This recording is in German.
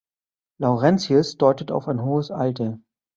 Laurentius deutet auf ein hohes Alter.